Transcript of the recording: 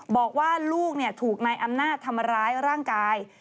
บอกว่าลูกถูกนายอำนาจทำร้ายร่างกาย